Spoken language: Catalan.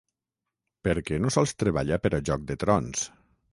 Perquè no sols treballa per a ‘Joc de trons’.